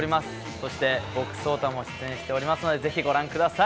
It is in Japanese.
そして僕、ＳＯＴＡも出演しておりますので、ぜひご覧ください。